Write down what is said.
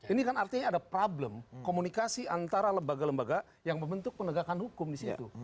ini kan artinya ada problem komunikasi antara lembaga lembaga yang membentuk penegakan hukum di situ